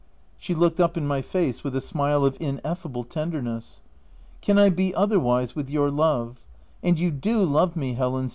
She looked up in my face with a smile of ineffable tenderness. " Can I be otherwise, with your love ? And you do love me, Helen